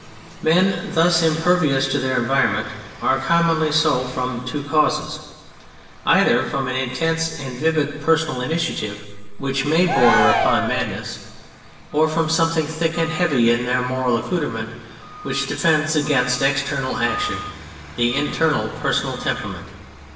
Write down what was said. Men thus impervious to their environment are commonly so from two causes : either from an intense and vivid personal initiative THE CHARACTERS 3d which may border upon madness, or from something thick and heavy in their moral accoutrement which defends against external action the inner personal temperament.